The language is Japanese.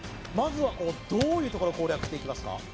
まずはどういうところ攻略していきますか？